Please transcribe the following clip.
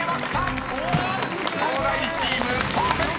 ［東大チームパーフェクト］